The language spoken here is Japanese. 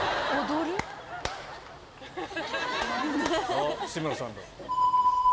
あっ志村さんだ。